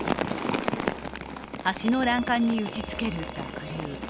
橋の欄干に打ちつける濁流。